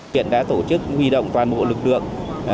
huyện đã tổ chức huy động toàn bộ lực lượng